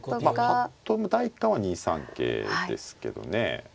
ぱっと見第一感は２三桂ですけどね。